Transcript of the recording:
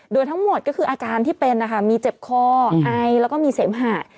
โดยทั้งหมดก็คืออาการที่เป็นนะคะมีเจ็บคอไอแล้วก็มีเสมหา